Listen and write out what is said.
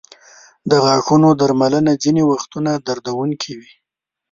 د غاښونو درملنه ځینې وختونه دردونکې وي.